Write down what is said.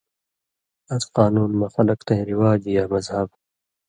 اَس قانُون مہ خلک تَیں رواج یا مذہب